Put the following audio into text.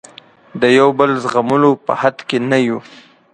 د یو بل زغملو په حد کې نه یو.